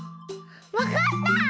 わかった！